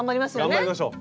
頑張りましょう。